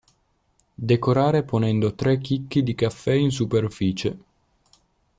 Decorare ponendo tre chicchi di caffè in superficie.